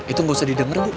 itu nggak usah didengar bu